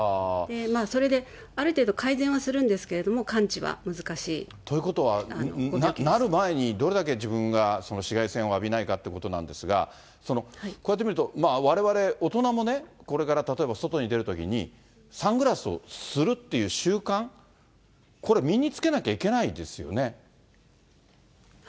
それである程度改善はするんですということは、なる前にどれだけ自分が紫外線を浴びないかということなんですが、こうやって見ると、われわれ、大人もね、これから例えば外に出るときに、サングラスをするっていう習慣、これ、身につけなきゃいけないんですよね。